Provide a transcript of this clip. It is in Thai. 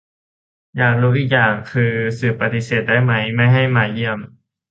อยากรู้อีกอย่างคือ สื่อปฏิเสธได้ไหม ไม่ให้มาเยี่ยม